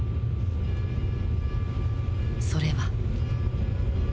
それは。